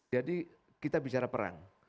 jadi kita bicara perang